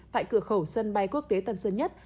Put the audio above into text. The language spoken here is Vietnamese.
tại cửa khẩu sân bay quốc tế tân sơn nhất